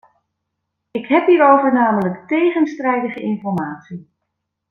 Ik heb hierover namelijk tegenstrijdige informatie.